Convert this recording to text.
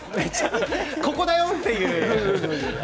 ここだよという。